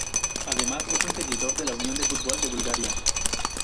Además es un seguidor de la Unión de Fútbol de Bulgaria.